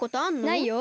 ないよ。